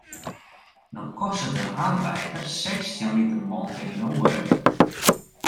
No kostet in arbeider sechstjin liter molke yn de oere.